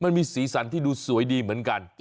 มันมีสีสันที่ดูสวยดีเหมือนกัน